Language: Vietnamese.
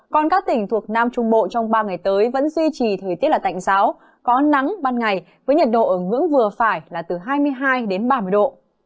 còn các tỉnh thuộc nam trung bộ trong ba ngày tới vẫn duy trì thời tiết là tạnh giáo có nắng ban ngày với nhiệt độ ở ngưỡng vừa phải là từ hai mươi hai đến ba mươi độ